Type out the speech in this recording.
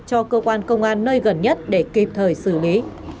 cho cơ quan công an nơi gần nhất để kịp thời xử lý